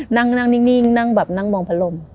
นั่งนั่งนิ่งนั่งมองพระลม